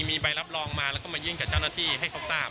มีใบรับรองมาแล้วก็มายื่นกับเจ้าหน้าที่ให้เขาทราบ